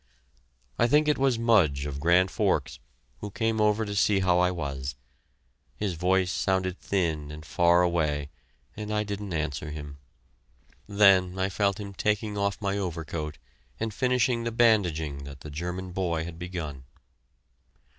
I think it was Mudge, of Grand Forks, who came over to see how I was. His voice sounded thin and far away, and I didn't answer him. Then I felt him taking off my overcoat and finishing the bandaging that the German boy had begun.